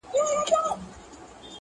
همدغه دروند دغه ستایلی وطن-